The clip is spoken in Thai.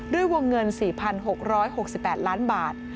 ด้วยวงเงิน๔๖๖๘ล้านบาท